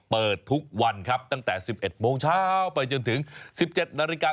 เปิดทุกวันครับตั้งแต่๑๑โมงเช้าไปจนถึง๑๗นาฬิกา